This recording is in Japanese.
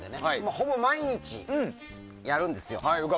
ほぼ毎日、やるんですよ。